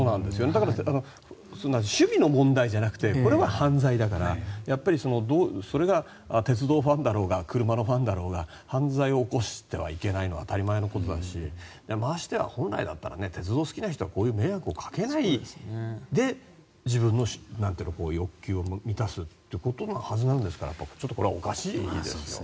だから趣味の問題じゃなくてこれは犯罪だから、やっぱりそれが鉄道ファンだろうが車のファンだろうが犯罪を犯してはいけないのは当たり前のことだしましてや本来だったら鉄道を好きな人はこういう迷惑をかけないで自分の欲求を満たすっていうことのはずなんですがちょっとこれはおかしいですよね。